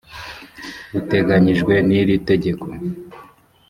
buteganyijwe n iri tegeko